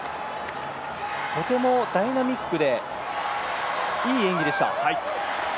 とてもダイナミックでいい演技でした。